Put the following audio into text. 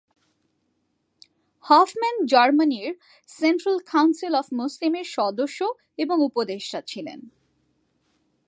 Hofmann জার্মানির Central Council of Muslim এর সদস্য এবং উপদেষ্টা ছিলেন।